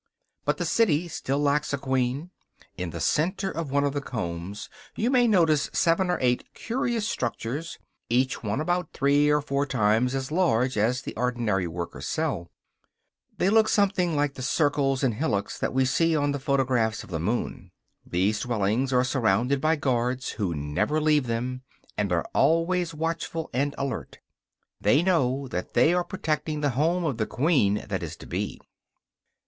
But the city still lacks a queen. In the center of one of the combs you may notice seven or eight curious structures, each one about three or four times as large as the ordinary worker's cell; they look something like the circles and hillocks that we see on the photographs of the moon. These dwellings are surrounded by guards who never leave them, and are always watchful and alert. They know that they are protecting the home of the queen that is to be.